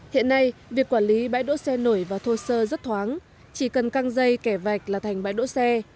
hiện nay việc quản lý bãi đỗ xe nổi và thô sơ rất thoáng chỉ cần căng dây kẻ vạch là thành bãi đỗ xe